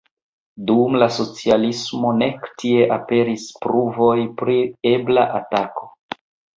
Dum la socialismo nek tie aperis pruvoj pri ebla atako.